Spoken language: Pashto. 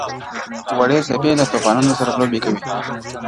وړې څپې له توپانونو سره لوبي کوي!.